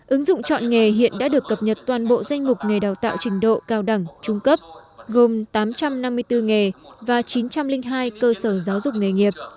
ứng dụng chọn nghề hiện đã được cập nhật toàn bộ danh mục nghề đào tạo trình độ cao đẳng trung cấp gồm tám trăm năm mươi bốn nghề và chín trăm linh hai cơ sở giáo dục nghề nghiệp